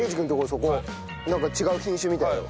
そこなんか違う品種みたいよ。